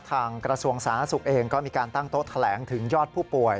ทางกระทรวงศาสตร์นักศึกเองก็มีการตั้งโต๊ะแถลงถึงยอดผู้ป่วย